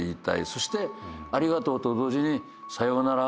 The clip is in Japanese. そしてありがとうと同時にさようなら。